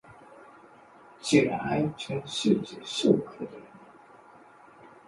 起来，全世界受苦的人！